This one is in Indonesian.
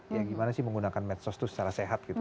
ya gimana sih menggunakan medsos itu secara sehat gitu